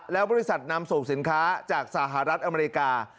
แล้วบริษัทนำส่งสินค้าจากสหรัฐอเมริกา